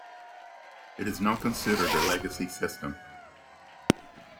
It is now considered a legacy system.